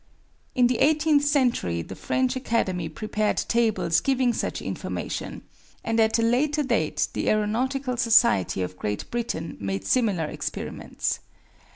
In the eighteenth century the French Academy prepared tables giving such information, and at a later date the Aeronautical Society of Great Britain made similar experiments.